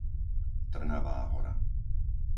Trnavá Hora